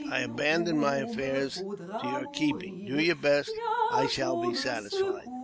I abandon my affairs to your keeping. Do your best, and I shall be satisfied."